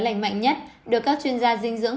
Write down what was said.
lành mạnh nhất được các chuyên gia dinh dưỡng